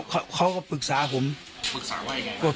ครับเขารู้อยู่เขาก็ปรึกษาผมปรึกษาว่าไง